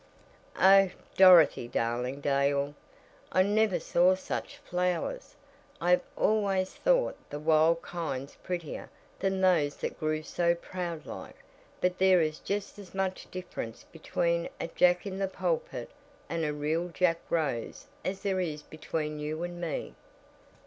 "Oh Dorothy Darling Dale! I never saw such flowers! I have always thought the wild kinds prettier than those that grew so proud like but there is just as much difference between a Jack in the pulpit and a real Jack rose as there is between you and me!"